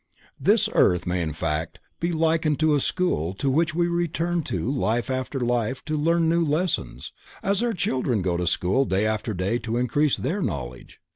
This earth may in fact be likened to a school to which we return life after life to learn new lessons, as our children go to school day after day to increase their knowledge.